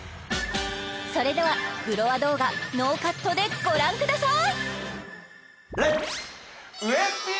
それではブロワ動画ノーカットでご覧ください！